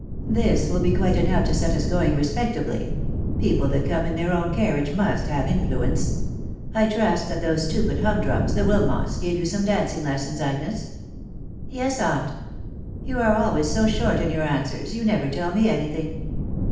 " This will be quite enough to set us going respectably : people that come in their own carriage must have influence* I trust that those stupid humdrums, the Wilmots, gave you some dancing lessons, Agnes?" « Yes, aunt" " You are always so short in your answers, you never tell me any thing.